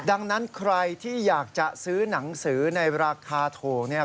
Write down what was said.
ดังนั้นใครที่อยากจะซื้อหนังสือในราคาถูกเนี่ย